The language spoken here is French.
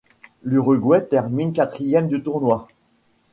L'Uruguay termina quatrième du tournoi.